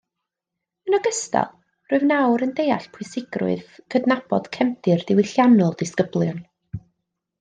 Yn ogystal, rwyf nawr yn deall pwysigrwydd cydnabod cefndir diwylliannol disgyblion